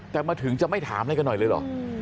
แต่มาถึงจะไม่ถามอะไรกันหน่อยเลยเหรอ